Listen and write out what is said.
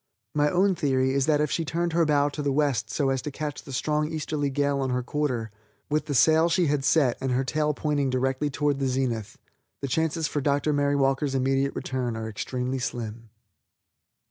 My own theory is that if she turned her bow to the west so as to catch the strong easterly gale on her quarter, with the sail she had set and her tail pointing directly toward the zenith, the chances for Dr. Mary Walker's immediate return are extremely slim.